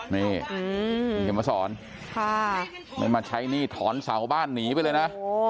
มิ้งจะมาสอนค่ะมันมาใช้หนี้ถอนเสาบ้านหนีไปเลยนะ